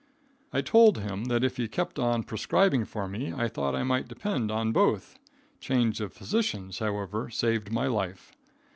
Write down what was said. I told him that if he kept on prescribing for me, I thought I might depend on both. Change of physicians, however, saved my life.